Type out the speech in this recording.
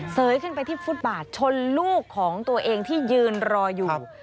ยขึ้นไปที่ฟุตบาทชนลูกของตัวเองที่ยืนรออยู่